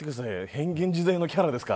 変幻自在のキャラですか。